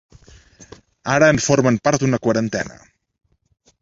Ara en formen part una quarantena.